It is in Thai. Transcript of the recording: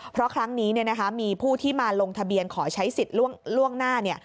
เพราะครั้งนี้มีผู้ที่มาลงทะเบียนขอใช้สิทธิ์ล่วงหน้า